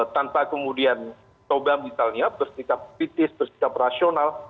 tanpa kemudian coba misalnya bersikap kritis bersikap rasional